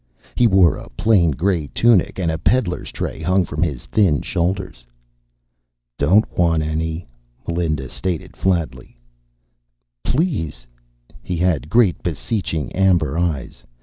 He wore a plain gray tunic, and a peddler's tray hung from his thin shoulders. "Don't want any," Melinda stated flatly. "Please." He had great, beseeching amber eyes.